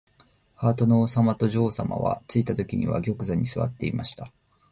ハートの王さまと女王さまは、ついたときには玉座にすわっていました。